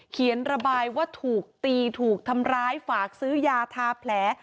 เขียนระบายว่าถูกตีถูกทำร้ายฝากซื้อยาทาแผล